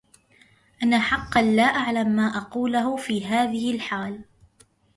أنا حقا لا أعلم ما أقوله في هذه الحال.